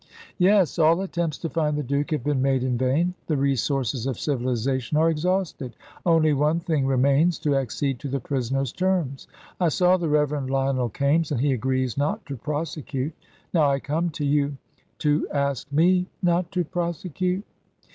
"Yes. All attempts to find the Duke have been made in vain: the resources of civilisation are exhausted. Only one thing remains to accede to the prisoner's terms. I saw the Reverend Lionel Kaimes, and he agrees not to prosecute. Now I come to you " "To ask me not to prosecute?"